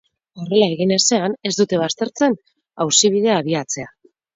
Horrela egin ezean, ez dute baztertzen auzibidea abiatzea.